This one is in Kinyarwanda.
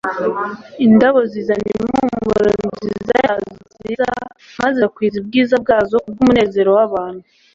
Indabyo zizana impumuro yazo nziza maze zigakwiza ubwiza bwazo kubw'umunezero w'abantu.